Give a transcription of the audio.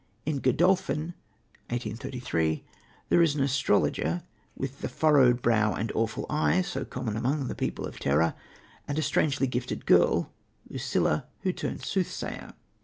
In Godolphin (1833) there is an astrologer with the furrowed brow and awful eye, so common among the people of terror, and a strangely gifted girl, Lucilla, who turns soothsayer.